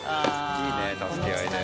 いいね助け合いで。